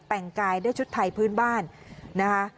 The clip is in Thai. แต่งกายด้วยชุดไทยพื้นบ้านนะคะ